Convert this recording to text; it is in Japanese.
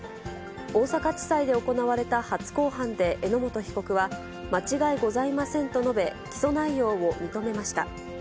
大阪地裁で行われた初公判で榎本被告は、間違いございませんと述べ、起訴内容を認めました。